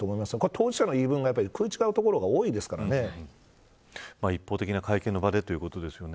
当事者の言い分が食い違うところが一方的な会見の場でということですよね。